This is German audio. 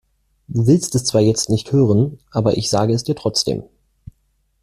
Du willst es zwar jetzt nicht hören, aber ich sage es dir trotzdem.